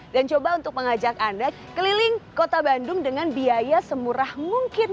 dan coba untuk mengajak anda keliling kota bandung dengan biaya semurah mungkin